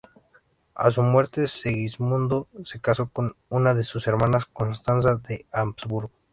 A su muerte, Segismundo se casó con una de sus hermanas, Constanza de Habsburgo.